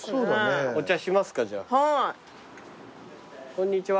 こんにちは。